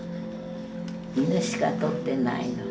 犬しか撮ってないの。